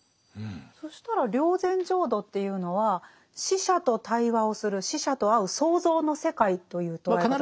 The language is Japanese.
そしたら霊山浄土っていうのは死者と対話をする死者と会う想像の世界という捉え方で合ってますか？